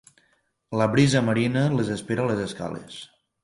La brisa marina les espera a les escales.